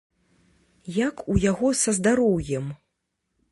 Як у яго са здароўем?